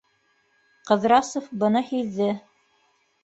Ҡыҙрасов быны һиҙҙе.